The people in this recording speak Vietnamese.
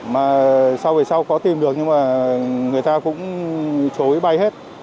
mà sau về sau có tìm được nhưng mà người ta cũng chối bay hết